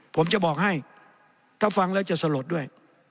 ผมจะบอกให้ถ้าฟังแล้วจะสลดด้วย